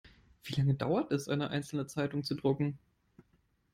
Wie lange dauert es, eine einzelne Zeitung zu drucken?